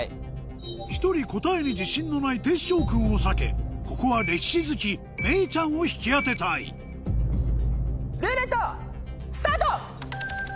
１人答えに自信のないてっしょう君を避けここは歴史好きめいちゃんを引き当てたいルーレットスタート！